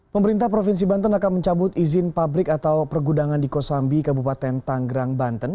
pemerintah provinsi banten akan mencabut izin pabrik atau pergudangan di kosambi kabupaten tanggerang banten